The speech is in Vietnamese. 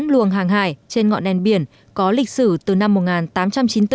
luồng hàng hải trên ngọn đèn biển có lịch sử từ năm một nghìn tám trăm chín mươi bốn